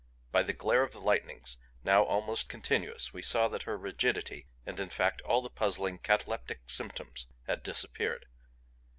By the glare of the lightnings, now almost continuous, we saw that her rigidity, and in fact all the puzzling cataleptic symptoms, had disappeared.